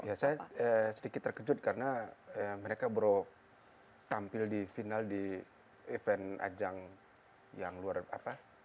ya saya sedikit terkejut karena mereka baru tampil di final di event ajang yang luar apa